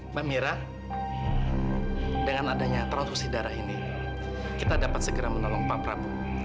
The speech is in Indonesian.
mbak mira dengan adanya transfusi darah ini kita dapat segera menolong pak prabowo